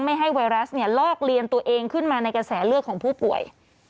ให้ไวรัสเนี่ยลอกเลียนตัวเองขึ้นมาในกระแสเลือดของผู้ป่วย